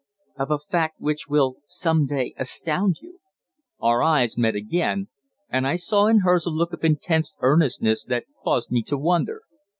"Of a fact which will some day astound you." Our eyes met again, and I saw in hers a look of intense earnestness that caused me to wonder.